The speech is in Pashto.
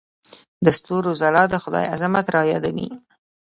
د ستورو ځلا د خدای عظمت رايادوي.